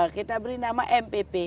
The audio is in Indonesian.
kita beri nama mpp